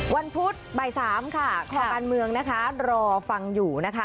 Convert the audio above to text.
วันพุธใบ๓ค่ะความการเมืองนะคะรอฟังอยู่นะคะ